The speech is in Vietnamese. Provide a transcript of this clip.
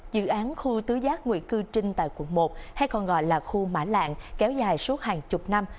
dự án khu tứ giác nguyễn cư trinh tại quận một hay còn gọi là khu mã lạng kéo dài suốt hàng chục năm